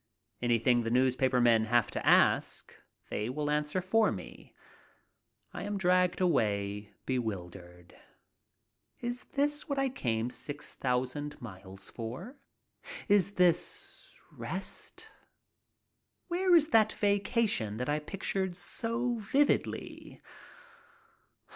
Anything the newspaper men 38 MY TRIP ABROAD have to ask they will answer for me. I am dragged away bewildered. Is this what I came six thousand miles for? Is this rest? Where is that vacation that I pictured so vividly?